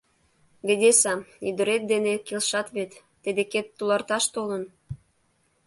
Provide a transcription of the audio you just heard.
— Ведеса, ӱдырет дене келшат вет, тый декет туларташ толын!